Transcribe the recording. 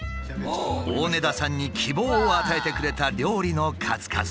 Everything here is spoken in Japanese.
大根田さんに希望を与えてくれた料理の数々。